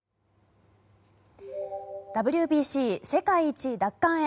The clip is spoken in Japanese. ＷＢＣ世界一奪還へ。